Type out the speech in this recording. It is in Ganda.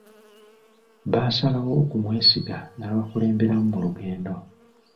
Baasalawo okumwesiga n'abakulemberamu mu lugendo.